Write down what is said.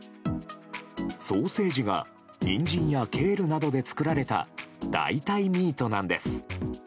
ソーセージがニンジンやケールなどで作られた代替ミートなんです。